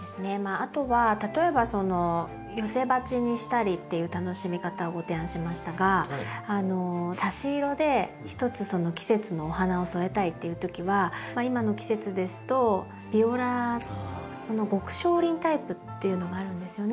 あとは例えば寄せ鉢にしたりっていう楽しみ方をご提案しましたが差し色でひとつその季節のお花を添えたいっていうときは今の季節ですとビオラの極小輪タイプっていうのがあるんですよね。